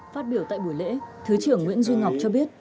phát biểu tại buổi lễ thứ trưởng nguyễn duy ngọc cho biết